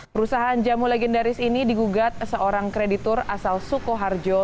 perusahaan jamu legendaris ini digugat seorang kreditur asal sukoharjo